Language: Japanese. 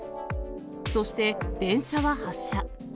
そして、電車は発車。